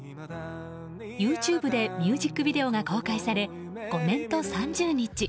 ＹｏｕＴｕｂｅでミュージックビデオが公開され５年と３０日。